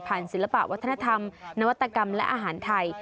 ศิลปะวัฒนธรรมนวัตกรรมและอาหารไทย